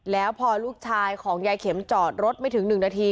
แล้วพอลูกชายของยายเข็มจอดรถไม่ถึง๑นาที